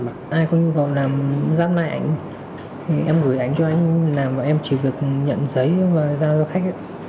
ai có nhu cầu làm giáp nai ảnh thì em gửi ảnh cho anh làm và em chỉ việc nhận giấy và giao cho khách